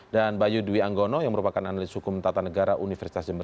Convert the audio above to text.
dan bayu dwi anggono yang merupakan analis hukum tata negara universitas jember